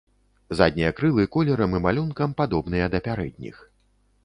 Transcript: Заднія крылы колерам і малюнкам падобныя да пярэдніх.